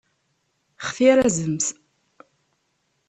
Xtir azemz.